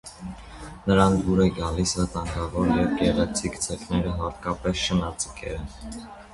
Նրան դուր էր գալիս վտանգավոր և գեղեցիկ ձկները՝ հատկապես շնաձկները։